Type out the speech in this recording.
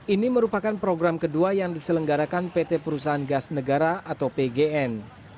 ini merupakan program kedua yang diselenggarakan pt perusahaan gas negara atau pgn